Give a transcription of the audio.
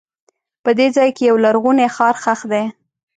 په دې ځای کې یو لرغونی ښار ښخ دی.